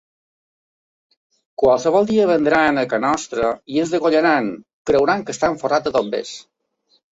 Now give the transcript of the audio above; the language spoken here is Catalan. Qualsevol dia vindran a casa i em degollaran; creuran que estic folrat de diners.